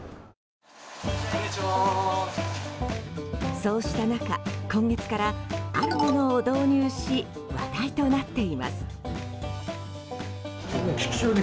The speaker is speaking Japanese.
そうした中今月からあるものを導入し話題となっています。